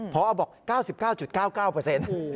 พอบอก๙๙๙๙๙เปอร์เซ็นต์